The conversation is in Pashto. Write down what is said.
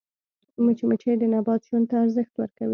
مچمچۍ د نبات ژوند ته ارزښت ورکوي